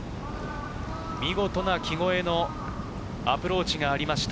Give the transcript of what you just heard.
見事な木越えのアプローチがありました。